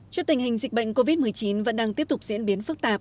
trước tình hình dịch bệnh covid một mươi chín vẫn đang tiếp tục diễn biến phức tạp